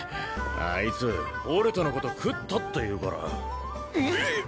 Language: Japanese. あいつホルトのこと食ったって言うからえっ！？